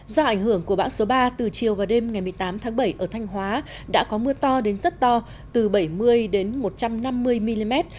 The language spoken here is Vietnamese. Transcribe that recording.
do ảnh hưởng của bão số ba từ chiều và đêm ngày một mươi tám tháng bảy ở thanh hóa đã có mưa to đến rất to từ bảy mươi đến một trăm năm mươi mm